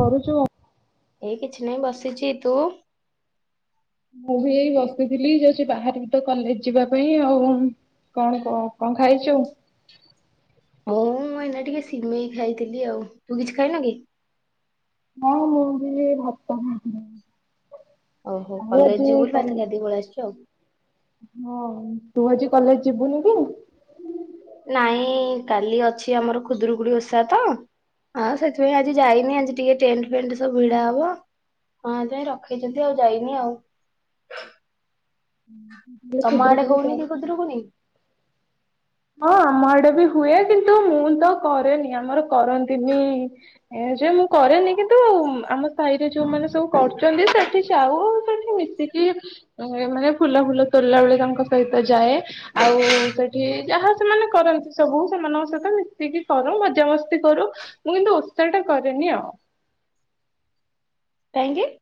କରୁଛୁ? ଏଇ କିଛି ନାହିଁ ବସିଛି। ତୁ? ମୁଁ ବି ଏଇ ବସିଥିଲି ଯାଉଛି ବାହାରିବିି ତ କଲେଜ ଯିବା ପାଇଁ ଆଉ। କଣ କ କଣ ଖାଇଛୁ? ହଉ ମୁଁ ଏଇନା ଟିକେ ସିମେଇ ଖାଇଥିଲି ଆଉ ତୁ କିଛି ଖାଇନୁ କି? ହଁ ମୁଁ ବି ଭାତ ଖାଇଥିଲି। ଓଉ ହୋ ଆଉ କଲେଜ ଆଜି ଯିବୁ ବୋଲି ମାଛ କଲେ ଖାଦି ପଳେଇ ଆସିଚଛି ଆଉ ହଁ ତୁ ଆଜି କଲେଜ ଯିବୁନି କି ନାଇଁ କାଲି ଅଛି ଆମର ଖୁଦରୁକୁୁଡି ଓଷା ତ ହଁ ସେଥିପାଇଁ ଆଜି ଯାଇନି ଆ ଟିକେ ଟେଣ୍ଟ ଫେଣ୍ଟ ସବୁ ଭିଡା ହବ ହଁ ତମାଇଁ ରଖେଇଛନ୍ତି ଆଉ ଯାଇନି ଆଉ ହୁଁ ତମ ଆଡେ ହଉନି କୁଦରୁକୁନି ହଁ ଆମ ଆଡେ ବି ହୁଏ କିନ୍ତୁ ମୁଁ ତ କରେନି ଆମର କରନ୍ତିନି ଏ ଯେ ମୁଁ କରେନି କିନ୍ତୁ ଆ ଆମ ଭାଇରେ ଯୋଉମାନେ ସବୁ କରୁଛନ୍ତି ସେଠି ଯାଉ ଆଉ ସେଠି ମିଶିକି କି ମାନେ ଫୁଲା ଫୁଲ ତୋଲଲା ବେଳେ ତାଙ୍କ ସହିତ ଯାଏ ଆଉ ସେଠି ଯାହା ସେମାନେ କରନ୍ତି ସବୁ ସେମାନଙ୍କ ସହିତ ମିଶକି କରୁ ମଜାମସ୍ତି କରୁ ମୁଁ କିନ୍ତୁ ଉତାାର ଟା କରେନି ଆଉ କାହିଁକ କି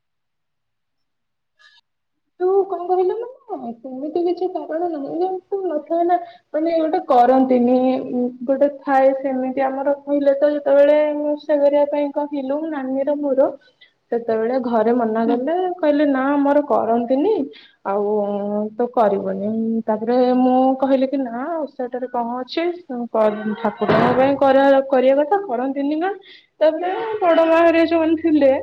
ତୁ କଣ କହିଲ ମ ସେମିତି କିଛି କାରଣ ନାହିଁ ଯେମିତି ସବୁ ନଥା ନା ମାନେ ଗୋଟେ କରନ୍ତିନି ଗୋଟେ ଥାଏ ସେମିତି ଆମର କହିଲେ ତ ଯେତେବେଳେ କରିବା ପାଇଁ କହିଲୁ ନାନୀର ମର ସେତେବେଳେ ଘରେ ମନା ହୁଁ ଗଲେ କହିଲେ ନା ମୋର କରନ୍ତିନି ଆଉ ତ କରିବୁନି ତାପରେ ମୁଁ କହିଲି କି ନା ସେଟରେ କଣ ଅଛି ଠାକୁରଙ୍କ ପାଇଁ କରିବା କଥା କରନ୍ତିନି କଣ ତାପରେ ବଡ ବାହାଆ ଯୋମାନେ ଥିଲେ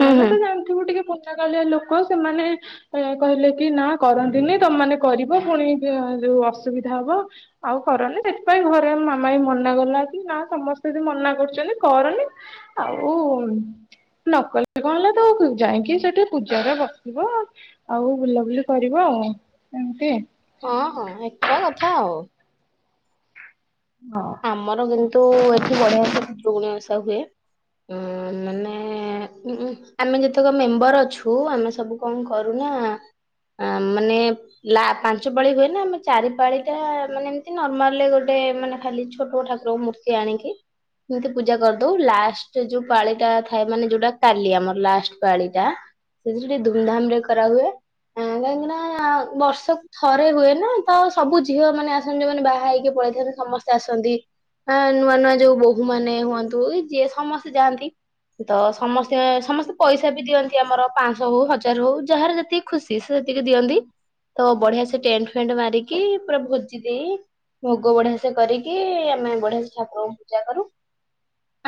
ହୁଁ। ହୁଁ। ତ ଜାଣିଥିବୁ ଟିକେ ପୁନା କାଳିଆ ଲୋକ ସେମାନେ କହିଲେ କି ନା କରନ୍ତିନି ତମମାନୋନ କରିବ ପୁଣି ଯୋଉ ଅସୁବିଧା ହବ ଆଉ କରନି ସେଥିପାଇଁ ଘରେ ମାମା ବି ମନା ଗଲା କି ନା ସମସ୍ତେ ବି ମନା କରୁଛନ୍ତି କରନି ଆଉ ନକଲେ କଣ ହେଲା ତ ଯାଇକି ସେଠି ନିଜର ବସିବ ଆଉ ବୁଲାବୁଲି କରିବ ଆଉ ଏମିତି ହଁ ହଁ ଏକା କଥା ଆଉ ହଁ ଆମର କିନ୍ତୁ ଏଠି ବଢିଆୁଗୁଣଷା ହୁଏ ଉ ମାନେ ଆମେ ଯେତେକ ମେମ୍ବର ଅଛୁ ଆମେ ସବୁ କଣ କରୁନା ମାନେ ଲ ପାଞ୍ଚ ପାଳି ହୁଏ ନା ଆମେ ଚାରି ପାଳି ଟା ମାନେ ଏମତି ନର୍ମାଲରେ ଗୋଟେ ମାନେ ଖାଲି ଛୋଟ ଠାକୁରଙ୍କୁ ମୂର୍ତ୍ତି ଆଣିକି ଏମିତି ପୂଜା କରିଦଉ ଲାଷ୍ଟ ଯୋଉ ପାଳିଟା ଥାଏ ମାନେ ଯୋଉଟା କାଲି ଆମର ଲାଷ୍ଟ ପାଳିଟା ସେଥି ଟିକେ ଧୁମଧାମ ରେ କରାହୁଏ କାହିଁକି ନା ବର୍ଷ ଥରେ ହୁଏ ନା ତ ସବୁ ଝିଅ ମାନ ଆସନ୍ତି ଯୋଉମାନେ ବାହା ହେଇକି ପଳେଇଥାନ୍ତେ ସମସ୍ତେ ଆସୁ ନୂଆ ନୂଆ ଯୋଉ ବୋହୂ ମାନେ ହୁଅନ୍ତୁ ଯିଏ ସମସ୍ତେ ଯାଆନ୍ତି ତ ସମସ୍ତେ ସମସ୍ତେ ପଇସା ବି ଦିଅନ୍ତି ଆମର ପାଞ୍ଚଶହ ହଉ ହଜାର ହଉ ଯାହାର ଯଦି ଖୁସି ସେ ସେତିକି ଦିଅନ୍ତି ତ ବଢିଆ ସେ ଟେଣ୍ଟ ଫେଣ୍ଟ ମାରିକି ପୁରା ଭୋଜି ଦେଇ ଭୋଗ ବଢିଆ ସେ କରିକି କି ଆମେ ବଢିେଶ ଠାକୁରଙ୍କୁ ପୂଜା କରୁ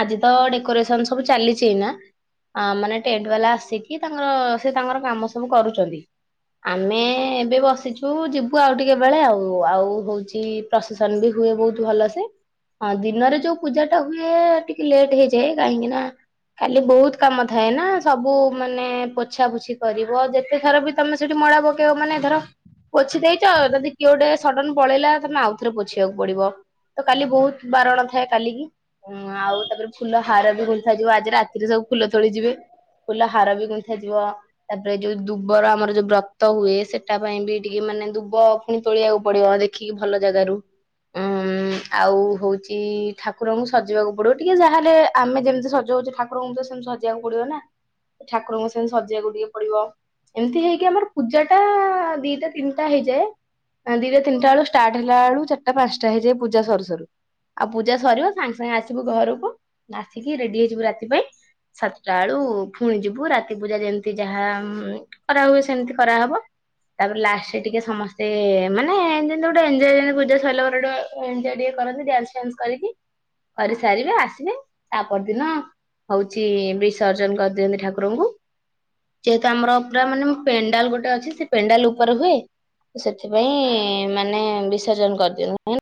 ଆଜି ତ ଡେକୋରେସନ ସବୁ ଚାଲିଛି ନା ଆ ମାନେ ଟେଣ୍ଟ ବାଲା ଆସିକି ତାଙ୍କର ସେ ତାଙ୍କର କାମ ସବୁ କରୁଛନ୍ତି ଆମେ ଏବେ ବସିଛୁ ଯିବୁ ଆଉ ଟିକେ ବେଳେ ଆଉ ଆଉ ହଉଛି ପ୍ରସେସନ ବି ହୁଏ ବହୁତ ଭଲ ସେେ ହଁ ଦିନରେ ଯୋଉ ପୂଜା ଟା ହୁଏ ଟିକେ ଲେଟ୍ ହେଇଯାଏ କାହିଁକି ନା ଖାଲି ବହୁତ କାମ ଥାଏ ନା ସବୁ ମାନେ ପୋଛା ପୋଛି କରିବ ଯେତେଥର ବି ତମେ ସେଠି ମଳା ପକେଇବ ମାନେ ଧର ପୋଛି ଦେଇଛ ଯଦି କିଏ ଗୋଟେ ସଡନ ପଳେଇଲା ତମେ ଆଉଥରେ ପୋଛିବାକୁ ପଡିବ ତ କାଲି ବହୁତ ବାରଣ ଥାଏ କାଲି କିି ଉଁ ଆଉ ତାପରେ ଫୁଲ ହାର ବି ଭୁଲ ଯିବ ଆଜି ରାତିରେ ସବୁ ଫୁଲ ତୋଳିଯିବେ ଫୁଲ ହାର ବି ଗୁନ୍ଥା ଯିବ। ତାପରେ ଯୋଉ ଦୁବର ଆମର ଯୋଉ ବ୍ରତ ହୁଏ ସେଟା ପାଇଁ ବି ଟିକେ ମାନେ ଦୁବ ପୁଣି ତୋଳିବାକୁ ପଡିବ ଦେଖିକି ଭଲ ଜାଗାରୁ ଉଁ ଉଁ ଆଉ ହଉଛି ଠାକୁରଙ୍କୁ ସଜେଇବାକୁ ପଡିବ ଟିକେ ଯାହେଲେ ଆମେ ଯେମିତି ସଜଉଛୁ ଠାକୁ ଠାକୁରଙ୍କୁ ତ ସେମତି ସଜେଇବାକୁ ପଡିବ ନା ଠାକୁରଙ୍କୁ ସେମିତି ସଜେଇବାକୁ ଟିକେ ପଡିବ। ଏମିତି ହେଇକି ଆମର ପୂଜା ଟା ଦିଟା ତିନିଟା ହେଇଯାଏ। ଦିଟା ତିନିଟା ବେଳ ଷ୍ଟାର୍ଟ ହେଲା ବେଳୁ ଚାରିଟା ପାଞ୍ଚଟା ହେଇଯାଏ ପୂଜା ସରୁ ସରୁ। ଆଉ ପୂଜା ସରିବ ସାଙ୍ଗେ ସାଙ୍ଗେ ଆସିବୁ ଘରକୁ ଆସିକି ରେଡି ହେଇଯିବୁ ରାତି ପାଇଁ। ସାତଟା ବେଳୁ ପୁଣି ଯିବୁ ରାତି ପୂଜା ଯେମିତି ଯାହା କରା ହୁଏ ସେମିତି କରାହବ। ତାପରେ ଲାଷ୍ଟରେ ଟିକେ ସମସ୍ତେ ମାନେ ଯେମିତି ଗୋଟେ ଏଞ୍ଜୟ୍ ପୂଜା ସରିଲ ପରେ [unintelligible] ଟିକେ କରନ୍ତି ଡ୍ୟାନ୍ସ ଫନ୍ସ କରିକି। କରି ସାରିବେ ଆସିବେ ତା ପରଦିନ ହଉଛି ବିସର୍ଜନ କରିଦିଅନ୍ତି ଠାକୁରଙ୍କୁ। ଯେହେତୁ ଆମର ପୁରା ମାନେ ପେଣ୍ଡାଲ ଗୋଟେ ଅଛି ସେ ପେଣ୍ଡାଲ ଉପରେ ହୁଏ। ସେଥିପାଇଁ ମାନେ ବିସର୍ଜନ କରିଦିଅଉ।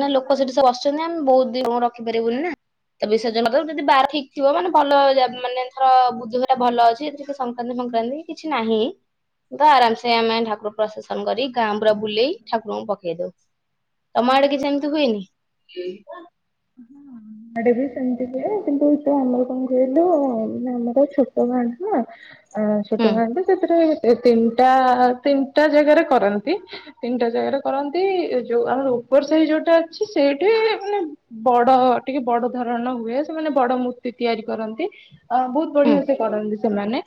ନା ଲୋକ ସେଠି ସବୁ ଆସୁଛନ୍ତି ଆମେ ବହୁତ ଦିନ ରଖିପାରିବୁ ବୋଲି ନା। ତ ବିସର୍ଜନ ଯଦି ବାର ଠିକ ଥିବ ମାନେ ଭଲ ମାନେ ଥର ବୁଧୁବାର ଭଲ ଅଛି ଟିକ ସଂକ୍ରାନ୍ତି ଫକ୍ରାନ୍ତି କିଛି ନାହିଁ। ତ ଆରାମ ସେ ଆମେ ଠାକୁର ପ୍ରସେସନ କରି ଗାଁ ପୁୁରା ବୁଲେଇ ଠାକୁରଙ୍କୁ ପକେଇ ଦଉ। ତମ ଆଡେ କିଛି ଏମିତି ହୁଏନି? [inaudible] ଆଡେ ବି ସେମିତି ହୁଏ କିନ୍ତୁ ଏ ତ ଆମର କଣ କହିଲୁ ଆମର ଛୋଟ ଗାଁ ଟା ଅ ଛୋଟ ଖାଆନ୍ତି ସେଥିରେ ତିନିଟା ତିନିଟା ଜାଗାରେ କରନ୍ତି। ତିନିଟା ଜାଗାରେ କରନ୍ତି ଯୋଉ ଆମର ଉପର ସାହି ଯୋଉଟା ଅଛି ସେଇଠି ମାନେ ବଡ ଟିକେ ବଡ ଧରଣ ର ହୁଏ ସେମାନେ ବଡ ମୂର୍ତ୍ତି ତିଆରି କରନ୍ତି। ଅ ବହୁତ ହୁଁ ବଢିଆ ସେ କରନ୍ତି ସେମାନେ।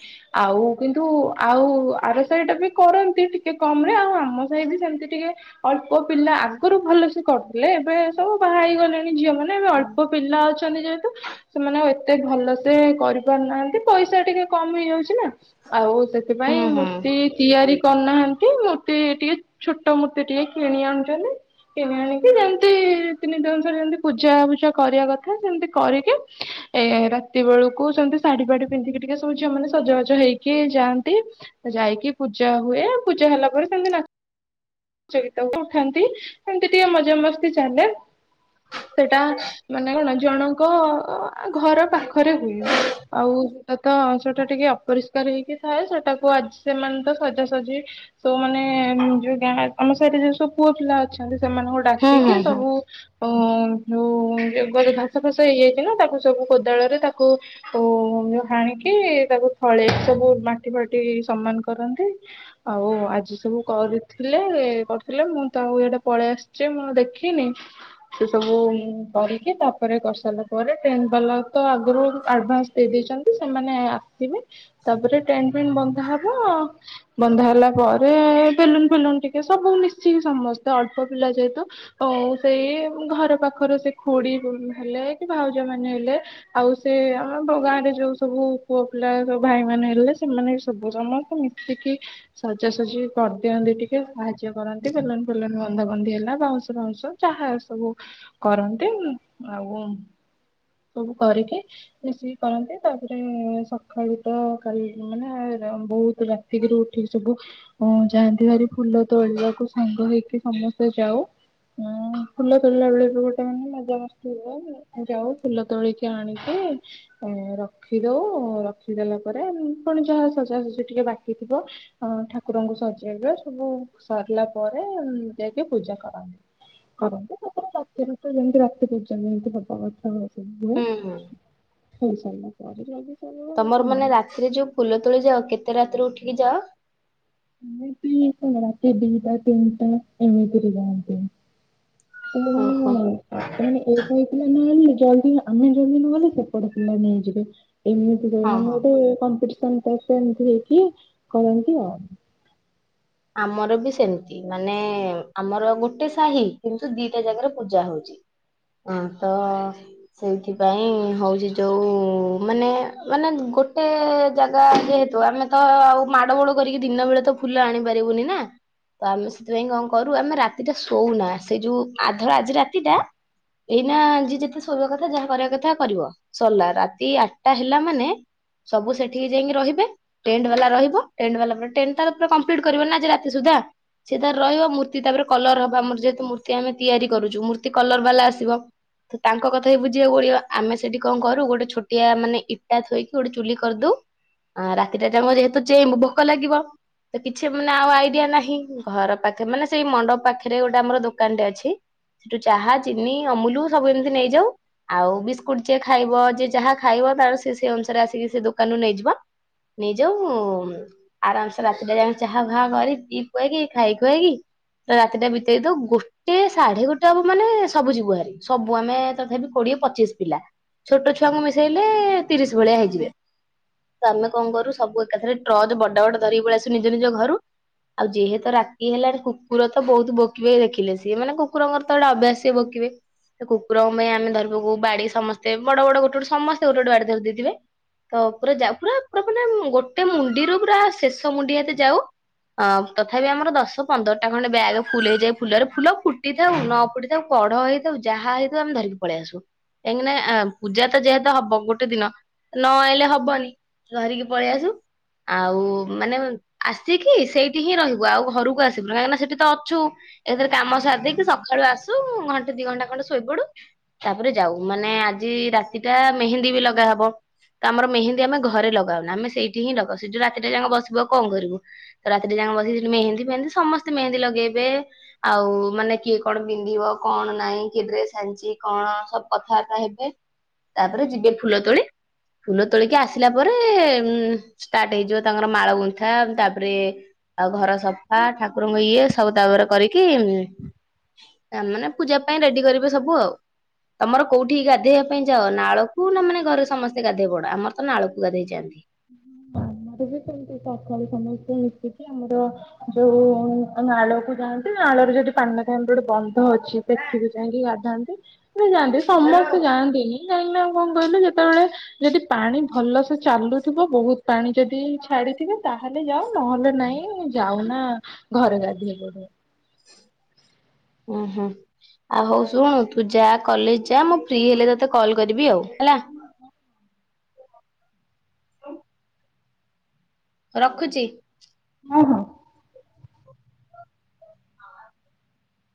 ଆଉ କିନ୍ତୁ ଆଉ ଆର ସାହି ଟା ବି କରନ୍ତି ଟିକେ କମ ରେ ଆଉ ଆମ ସାହି ବି ସେମତି ଟିକେ ଅଳ୍ପ ପିଲା ଆଗରୁ ଭଲସ କରୁଥିଲେ ଏବେ ସବୁ ବାହା ହେଇଗଲେଣି। ଝିଅ ମାନେ ଏ ଅଳ୍ପ ପିଲା ଅଛନ୍ତି ଯେହେତୁ ସେମାନେ ଆଉ ଏତେ ଭଲ ସେ କରିପାରୁନାହାନ୍ତି ପଇସା ଟିକେ କମି ହେଇଯାଉଛି ନା। ଆଉ ହୁଁ ସେଥିପାଇଁ ହୁଁ ହୁଁ ମୂର୍ତ୍ତି ତିଆରି କରୁନାହାନ୍ତି। ମୂର୍ତ୍ତି ଟିକେ ଛୋଟ ମୂତି ଟିକେ କିଣି ଆଣୁଛନ୍ତି। କିଣି ଆଣିକି ଯେମତି ତିନି ଦିନର ଯେମତି ପୂଜା ଫୁଜା କରିବା କଥା ସେମିତି କରିକି ଏ ରାତି ବେଳକୁ ସେମିତି ଶାଢୀ ଫାଢି ପିନ୍ଧିକି ଟିକେ ସବୁ ଝିଅ ମାନେ ସଜବାଜ ହେଇକି ଯାଆନ୍ତି। ଯାଇକି ପୂଜା ହୁଏ ପୂଜା ହେଲା ପରେ ସେମିତି ନା ନାଚ ଗୀତ ଉଠାନ୍ତି। ଏମତି ଟିକେ ମଜାମସ୍ତି ଚାଲେ। ସେଟା ମାନେ କଣ ଜଣଙ୍କ ଘର ପାଖରେ ହୁଏ ଆଉ ତ ତ ସେଟା ଟିକେ ଅପରିଷ୍କାର ହେଇକି ଥାଏ ସେଟାକୁ ଆଜି ସେମାନେ ତ ସଜାସଜି ତୋମାନେ ଯୋଉ ଗାଁ ଆମ ସାଇରେ ଯୋଉ ସବୁ ପୁଅ ପିଲା ଅଛନ୍ତି ସେମାନଙ୍କୁ ହୁଁ ହୁଁ ଡାକିକି ସବୁ ଅ ଯୋଉ ଘାସ ଫାସ ହେଇଯାଇଛି ନା ତାକୁ ସବୁ କୋଦାଳରେ ତାକୁ ତ ହାଣିକି ତାକୁ ଥଳେ ସବୁ ମାଟି ଫାଟି ସମାନ କରନ୍ତି। ଆଉ ଆଜି ସବୁ କରିଥିଲେ କରିଥିଲେ ମୁଁ ତାକୁ ଇଆଡେ ପଳେଇ ଆସିି ଯେ ମୁଁ ଦେଖିନି। ସେ ସବୁ କରିକି ତାପରେ କରିସାରିଲା ପରେ ଟ୍ରେନ୍ ବାଲା ତ ଆଗରୁ ଆଡଭାନ୍ସ ଦେଇ ଦେଇଛନ୍ତି ସେମାନେ ଆସିବେ ତାପରେ ଟେଣ୍ଟ ଫେଣ୍ଟ୍ ବନ୍ଦା ହବ। ବନ୍ଧା ହେଲା ପରେ ବେଲୁନ ଫେଲୁନ ଟିକେ ସବୁ ମିଶିକି ସମସ୍ତେ ଅଳ୍ପ ପିଲା ଯେହେତୁ ଆ ସେଇ ଘର ପାଖରୁ ସେ ଖୁଡି ହେଲେ କି ଭାଉଜ ମାନେ ହେଲେ ଆଉ ସେ ଆମ ଗାଁ ରେ ଯୋଉ ସବୁ ପୁଅ ପିଲା ସ ଭାଇ ମାନ ହେଲେ ସେମାନେ ବି ସବୁ ସମସ୍ତେ ମିଶ ତିକି ସଜାସଜି କରିଦିଅନ୍ତି ଟିକ ସେ ସାହାଯ୍ୟ କରନ୍ତି ବେଲୁନ ଫେଲୁନ ବନ୍ଧା ବନ୍ଧି ହେଲା ବାଉଁଶ ବାଉଁଶ ଜାହା ସବୁ କରନ୍ତି ଆଉ ସବୁ କରିକି ମିଶିକି କରନ୍ତି ତାପରେ ସକାଳୁ ତ କାଲି ମାନେ ର ବହୁତ ରା ରାତିକିରୁ ଉଠିକି ସବୁ ଓ ଯାଆନ୍ତି ଭାରି ଫୁଲ ତୋଳିବାକୁ ସାଙ୍ଗ ହେଇକି ସମସ୍ତେ ଯାଉ ଉଁ ଫୁଲ ତୋଳିଲା ବେଳେ ବି ଗୋଟେ ମାନେ ମଜାମସ୍ତି ହୁଏ ଯାଉ ଫୁଲ ତୋଳିକି ଆଣିକି ଏଁ ରଖିଦଉ ରଖିଦେଲା ପରେ ନେ ଫୁଣି ଯାହା ସଜାସଜ ଟିକେ ବାକି ଥିବ ଅ ଠାକୁରଙ୍କୁ ସଜେଇବେ ସବୁ ସରିଲା ପରେ ଯାଇକି ପୂଜା କରନ୍ତି। କରନ୍ତି ତାପରେ ରାତିରେ ତ ଯେମିତି ରାତି ପୂଜା କରନ୍ତି ହୁଁ ହୁଁ। [unintelligible] ହେଇସାରିଲା ତମର ପରେ ମାନେ [unintelligible] ରାତିରେ ଯୋଉ ଫୁଲ ତୋଳି ଯାଅ କେତେ ରାତିରୁ ଉଠିକି ଯାଅ? ଆମେ ବି ରାତି ଦିଟା ତିନିଟା ଏମିତିରେ ଯାଆନ୍ତି। ମାନେ ଓହୋ। କଣ ମାନେ ଏଇ ସାଇପିଲା ଆଇଲୁ ଜଲଦି ଆମେ ଜଲଦି ନ ଗଲେ ସେପଟେ ପିଲା ନେଇଯିବେ ଏମି ଯୋଉ ହଁ ହଁ। ମାନେ ଗୋଟେ କମ୍ପଡିସନ ଟାଇପ ର ଏମିତି ହେଇକି କରନ୍ତି ଆଉ। ଆମର ବି ସେମିତି ମାନେ ଆମର ଗୋଟେ ସାହି କିନ୍ତୁ ଦିଟା ଜାଗାରେ ପୂଜା ହଉଚି। ହଁ ତ ସେଇଥିପାଇଁ ହଉଚି ଯୋଉ ମାନେ ମାନେ ଗୋଟେ ଜାଗା ଯେ ତ ଆମେ ତ ଆଉ ମାଡ ଗୋଳ କରିକି ଦିନ ବେଳେ ତ ଫୁଲ ଆଣିପାରିବୁନି ନା ତ ଆମେ ସେଥିପାଇଁ କଣ କରୁ ଆମେ ରାତିଟା ଶୋଉନା ସେଇ ଯୋଉ ଆ ଧର ଆଜି ରାତିଟା ଏଇନା ଯିଏ ଯେତେ ଶୋଇିବା କଥା ଯାହା କରିବା କଥା କରିବ ସରିଲା ରାତି ଆଟା ହେଲା ମାନେ ସବୁ ସେଠି ଯାଇଁକି ରହିବେ ଟେଣ୍ଡ ବାଲା ରହିବ ଟେଣ୍ଡ ବାଲା ଟେଣ୍ଟ ତାର ପୁରା କମ୍ପ ମ୍ପ୍ଲିଟ କରିବ ନା ଆଜି ରାତି ସୁଧା ସେ ତାର ରହିବ ମୂର୍ତ୍ତି ତାପରେ କଲର ହବ ଆମର ଯେହେତୁ ମୂର୍ତ୍ତି ଆମେ ତିଆରି କରୁଚୁ ମୂର୍ତ୍ତି କଲର ବାଲା ଆସିବ ତାଙ୍କ କଥା ବି ବୁଝିବାକୁ ପଡିବ ଆମେ ସେଠି କଣ କରୁ ଗୋଟେ ଛୋଟିଆ ମାନେ ଇଟା ଥୋଇକି ଗୋଟେ ଚୁଲି କରିଦଉ ଆ ରାତିଟା ଟା ଯାଙ୍କ ଯେହେତୁ ଚେଇଁବୁ ଭୋକ ଲାଗିବ ତ କିଛି ମାନେ ଆଉ ଆଇଡିଆ ନାହିଁ ଘର ପାଖରେ ମାନେ ସେଇ ମଣ୍ଡପ ପାଖରେ ଗୋଟେ ଆମର ଦୋକାନଟେ ଅଛି ସେଠୁ ଚାହା ଚିନି ଅମୁଲ ସବୁ ଏମିତି ନେଇଯାଉ ଆଉ ବିସ୍କୁଟ ଜେ ଖାଇବ ଜେ ଯାହା ଖାଇବ ତାର ସେ ସେ ଅନୁସାରେ ଆସିକି ସେ ଦୋକାନରୁୁ ନେଇଯିବ। ନେଇଯାଉ ଆରାମସେ ରା ସେଟା ଯାଇଁକି ଚାହା ଫା କରି ପିଇ ପୁଆଇକି ଖାଇ ଖୁଆଇକି ରାତିଟା ବିତେଇ ଦଉ ଗୋ ଟେ ସାଢେ ଗୋଟେ ହବ ମାନେ ସବୁ ଜିବୁହାରି ସବୁ ଆମେ ତଥାପି କୋଡିଏ ପଚିଶ ପିଲା ଛୋଟ ଛୁଆଙ୍କୁ ମିଶେଇଲେ ତିରିଶ ଭଳିଆ ହେଇଯିବେ ତ ଆମେ କଣ କରୁ ସବୁ ଏକାଥରେ ଟ୍ରଚ ବଡ ବଡ ଧରିକି ପଳେଇ ଆସୁ ନିଜ ନିଜ ଘରୁ ଆଉ ଯେହେତୁ ରାତି ହେଲାଣି କୁକୁର ତ ବହୁତ ଭୋକିବେ ଦେଖିଲେ ସିଏ ମାନେ କୁକୁରଙ୍କର ତ ଗୋଟେ ଅଭ୍ୟାସ ସିଏ ଭୋକିବେ ସେ କୁକୁରଙ୍କ ପାଇଁ ଆମେ ଧରିବାକୁ ବାଡି ସମସ୍ତେ ବଡ ବଡ ଗୋଟେ ବଡେ ସମସ୍ତେ ଗୋଟେ ଗୋଟେ ବାଡି ଧରି ଦେଇଥିବେ ତ ପୁରା ଯାଉ ପୁରା ପୁରା ମାନେ ଗୋଟେ ମୁଣ୍ଡିରୁ ପୁରା ଶେଷ ମୁଣ୍ଡି ହାତେ ଯାଉ ଅ ତଥାପି ଆମର ଦଶ ପନ୍ଦରଟା ଖଣ୍ଡେ ବ୍ୟାଗ ଫୁଲ ହେଇଯାଏ ଫୁଲରେ ଫୁଲ ଫୁଟିଥାଉ ନ ଫୁଟି କଢ ହେଇଥାଉ ଯାହା ହେଇଥାଉ ଆମେ ଧରିକି ପଳେଇ ଆସୁ। କାହିଁକି ନା ଆ ପୂଜା ତ ଯେହେତୁ ହବ ଗୋଟେ ଦିନ ନ ଆଇଲେ ହବନି। ଧରିକି ପଳେଇ ଆସୁ ଆଉ ମାନେ ଆସିକି ସେଇଠି ହିଁ ରହିବୁ ଆଉ ଘରକୁ ଆସିବୁନି କାହିଁକିନା ସେଠି ତ ଅଛୁ। ଏଥିରେ କାମ ସାରି ଦେଇକି ସକାଳୁ ଆସୁ ଘଣ୍ଟେ ଦି ଘଣ୍ଟା ଖଣ୍ଡେ ଶୋଇପଡୁ ତାପରେ ଯାଉ ମାନେ ଆଜି ରାତି ଟା ମେହେନ୍ଦୀ ବି ଲଗା ହବ ତ ଆମର ମେହେନ୍ଦୀ ଆମେ ଘରେ ଲଗାଉନା ଆମେ ସେଇଠି ହିଁ ଲଗାଉ ସେ ଯଉ ରାତିଟା ଯାଙ୍କ ବସିବୁ ଆଉ କଣ କରିବୁ। ରାତିଟା ଯାଙ୍କ ବସିକି ସେଠି ମେନ୍ଦୀ ଫେହେନ୍ଦୀ ସମସ୍ତେ ମେହେନ୍ଦୀ ଲଗେଇବେ ଆଉ ମାନେ କିଏ କଣ ପିନ୍ଧିବ କଣ ନାଇଁ କିଏ ଡ୍ରେସ ହାଣିଚି କଣ ସବୁ କଥାବାର୍ତ୍ତା ହେବେ। ତାପରେ ଯିବେ ଫୁଲ ତୋଳି ଫୁଲ ତୋଳିକି ଆସିଲା ପରେ ଉ ଷ୍ଟାର୍ଟ ହେଇଯିବ ତାଙ୍କର ମାଳ ଗୁନ୍ଥା ତାପରେ ଆଉ ଘର ସଫା ଠାକୁରଙ୍କୁ ଇଏ ସବୁ ତା ଉପରେ କରିକି ମାନେ ପୂଜା ପାଇଁ ରେଡି କରିବେ ସବୁ ଆଉ ତମର କୋଉଠି ଗାଧୋଇବା ପାଇଁ ଯାଅ ନାଳକୁ ନା ମାନେ ଘରେ ସମସ୍ତେ ଗାଧୋଇବା ପଡ ଆମର ତ ନାଳକୁ ଗାଧେଇ ଚାାଆନ୍ତି ହ ଆମର ବି ସେମିତି ସକାଳୁ ସମସ୍ତେ ମିଶଛିି ଆମର ଯୋଉ ନାଳକୁ ଯାଆନ୍ତି ନାଳ ର ଯଦି ପାନ ଗୋଟେ ବନ୍ଦ ଅଛି ସେଠିକୁ ଯାଇକି ଗାଧାନ୍ତି ଯାଆନ୍ତି ସମସ୍ତେ ଯାଆନ୍ତିନି କାହିଁକି ନା ଆଉ କଣ କହିଲୁ ଯେତେବେଳେ ଯଦି ପାଣି ଭଲ ସେ ଚାଲୁ ଥିବ ବହୁତ ପାଣି ଯଦି ଛାଡିଥିବେ ତାହେଲେ ଯାାଉ ନହେଲେ ନାଇଁ ଯାଉନା ଘରେ ଗାଧିଏ ବୋୁ ହୁଁ ହୁଁ ଆ ହଉ ଶୁଣୁ ତୁ ଯା କଲେଜ ଯା ମୁଁ ଫ୍ରି ହେଲେ ତତେ କଲ୍ କରିବି ଆଉ ହେଲା ହୁଁ ରଖୁଛି ହଁ ହଁ